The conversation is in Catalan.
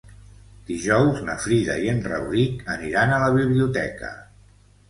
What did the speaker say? Dijous na Frida i en Rauric aniran a la biblioteca.